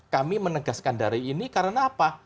kami menegaskan dari ini karena apa